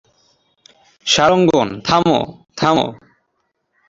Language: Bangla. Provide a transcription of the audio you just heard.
সারঙ্গন, থামো থামো!